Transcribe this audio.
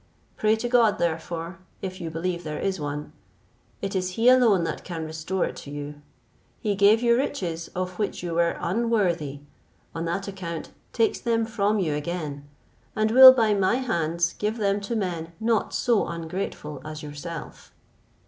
Pray to God, therefore, if you believe there is one; it is he alone that can restore it to you. He gave you riches, of which you were unworthy, on that account takes them from you again, and will by my hands give them to men not so ungrateful as yourself."